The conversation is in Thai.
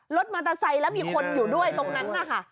รถมอเตอร์ไซค์แล้วมีคนอยู่ด้วยตรงนั้นนะคะ